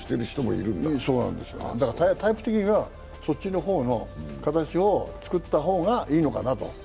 だからタイプ的にはそっちの方の形を作った方がいいのかなと。